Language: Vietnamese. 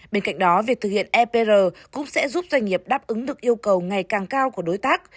bên cạnh đó việc thực hiện epr cũng sẽ giúp doanh nghiệp đáp ứng được yêu cầu ngày càng cao của đối tác